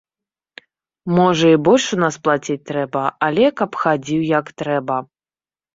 Можа, і больш у нас плаціць трэба, але каб хадзіў, як трэба!